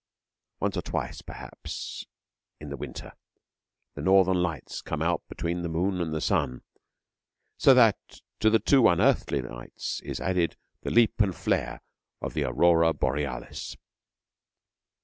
Once or twice perhaps in the winter the Northern Lights come out between the moon and the sun, so that to the two unearthly lights is added the leap and flare of the Aurora Borealis.